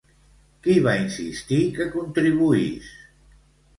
Qui va insistir que contribuís?